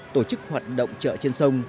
tổ chức hoạt động chợ trên sông